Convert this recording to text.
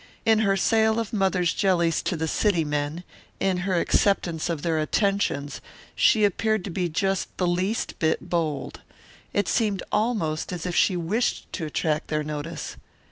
In her sale of Mother's jellies to the city men, in her acceptance of their attentions, she appeared to be just the least bit bold. It seemed almost as if she wished to attract their notice.